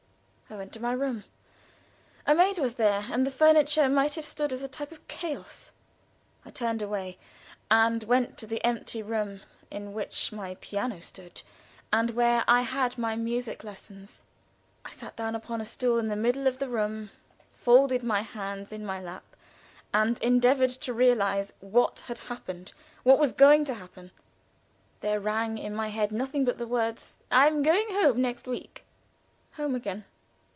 I went to my room. A maid was there, and the furniture might have stood as a type of chaos. I turned away, and went to the empty room, in which my piano stood, and where I had my music lessons. I sat down upon a stool in the middle of the room, folded my hands in my lap, and endeavored to realize what had happened what was going to happen. There rang in my head nothing but the words, "I am going home next week." Home again!